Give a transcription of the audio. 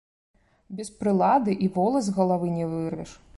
Без прылады і волас з галавы не вырвеш.